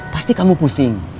pasti kamu pusing